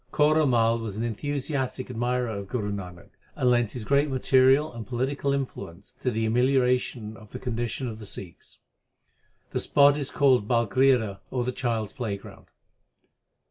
Kaura Mai was an enthusiastic admirer of Guru Nanak, and lent his great material and political influence to the amelioration of the condition of the Sikhs. The spot is called Balkrira or the child s playground.